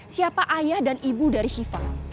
siapa ayah dan ibu dari shiva